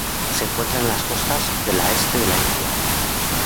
Se encuentran en las costas de la este de la India.